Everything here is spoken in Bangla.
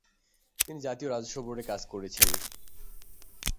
তিনি জাতীয় রাজস্ব বোর্ডে কাজ করেছেন।